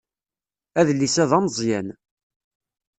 Adlis-a d ameẓẓyan